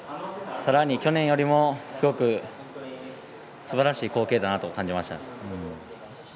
さらに去年よりもすばらしい光景だなと思いました。